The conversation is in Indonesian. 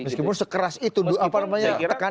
meskipun sekeras itu apa namanya tekanannya ya